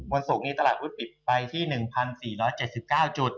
วันศพนี้ตลาดคุณปิดไปที่๑๔๗๙จด